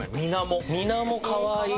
「みなも」かわいい。